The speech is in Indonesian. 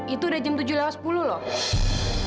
itu udah jam tujuh lewat sepuluh loh